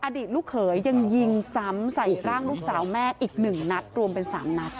อดีตลูกเขยยังยิงซ้ำใส่ร่างลูกสาวแม่อีก๑นัดรวมเป็น๓นัด